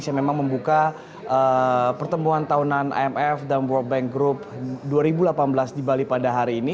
yang memang membuka pertemuan tahunan imf dan world bank group dua ribu delapan belas di bali pada hari ini